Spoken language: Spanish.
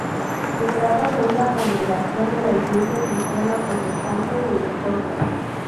Se trata de una congregación de la Iglesia cristiana protestante de Escocia.